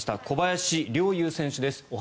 小林陵侑選手です。